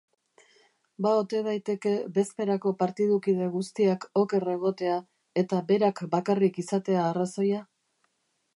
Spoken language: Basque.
Ba ote daiteke Bezperako partidukide guztiak oker egotea eta berak bakarrik izatea arrazoia?